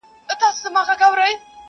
ما پخوا لا طبیبان وه رخصت کړي؛